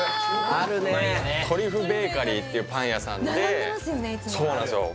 あるねトリュフベーカリーっていうパン屋さんで並んでますよね